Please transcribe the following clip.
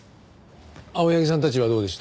青柳さんたちはどうでした？